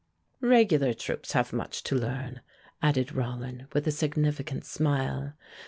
"Regular troops have much to learn," added Rollin, with a significant smile.